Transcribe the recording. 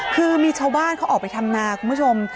คือมีชาวบ้านเขาออกไปทำนาคุณผู้ชม